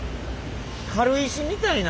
軽石みたいな。